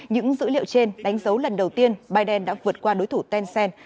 những dữ liệu trên đánh dấu lần đầu tiên biden đã vượt qua đối thủ tencent